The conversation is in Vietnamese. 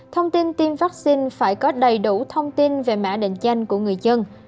thông tin tiêm vaccine phải có đầy đủ thông tin về mã định danh của người dân